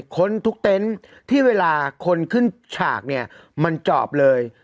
ค้นทุกเต็นต์ที่เวลาคนขึ้นฉากเนี่ยมันจอบเลย